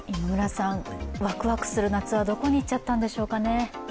ワクワクする夏はどこにいっちゃったんでしょうかね。